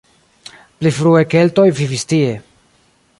Pli frue keltoj vivis tie.